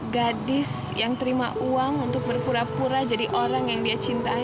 gadis yang terima uang untuk berpura pura jadi orang yang dia cintai